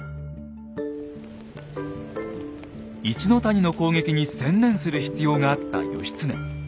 一の谷の攻撃に専念する必要があった義経。